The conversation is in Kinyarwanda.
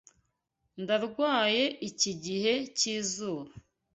Ndarwaye iki gihe cyizuba.